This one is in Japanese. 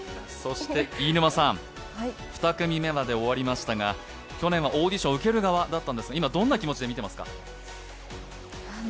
飯沼さん、２組目まで終わりましたが、去年はオーディション受ける側だったんですが、今日はどんな気持ちで見てますか？